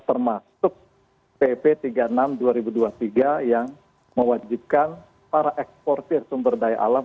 termasuk pp tiga puluh enam dua ribu dua puluh tiga yang mewajibkan para eksportir sumber daya alam